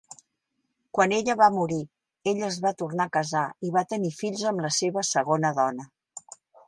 Quan ella va morir, ell es va tornar a casar i va tenir fills amb la seva segona dona.